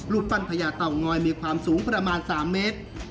ปั้นพญาเต่างอยมีความสูงประมาณ๓เมตร